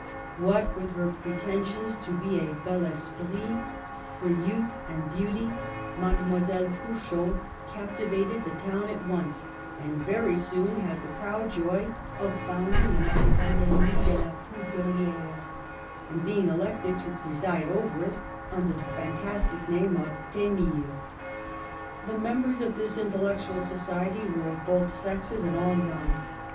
What with her pretensions to be a bel esprit, her youth and beauty, Mademoiselle Curchod captivated the town at once, and very soon had the proud joy of founding an AcadSmie de la Poud* rtire> and being elected to preside over it under the fantastic name of Thdmire. The members of this intellectual society were of both sexes and all young.